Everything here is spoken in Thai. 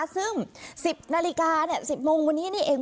ซึ่ง๑๐นาฬิกา๑๐โมงวันนี้นี่เอง